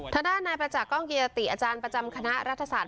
ทางด้านนายประจักษ์กล้องเกียรติอาจารย์ประจำคณะรัฐศาสต